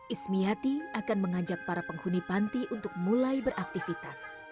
ismiati akan mengajak para penghuni panti untuk mulai beraktivitas